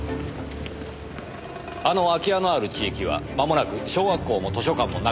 あの空き家のある地域は間もなく小学校も図書館もなくなります。